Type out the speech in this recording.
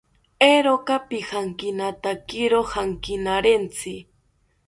Eeeroka pijankinatakiro jankinarentzi